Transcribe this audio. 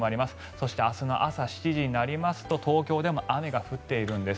そして明日の朝７時になりますと東京でも雨が降っているんです。